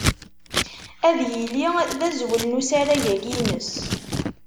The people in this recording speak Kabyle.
Ad yili d azwel n usarag-agi-ines.